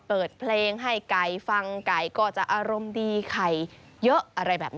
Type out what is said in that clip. เปิดเพลงให้ไก่ฟังไก่ก็จะอารมณ์ดีไข่เยอะอะไรแบบนี้